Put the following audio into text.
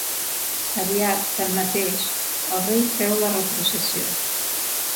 Aviat, tanmateix, el rei féu la retrocessió.